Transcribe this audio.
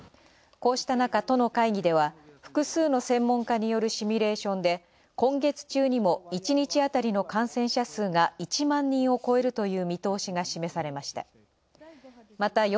こうした中、都の会議では複数の専門家によるシミュレーションで今月中にも１日あたりの感染者数が１万人を超えるという見通しが示されました。